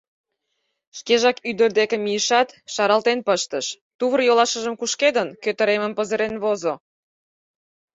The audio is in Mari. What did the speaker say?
Шкежак ӱдыр деке мийышат, шаралтен пыштыш, тувыр-йолашыжым кушкедын, кӧтыремын пызырен возо...